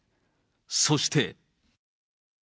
そして。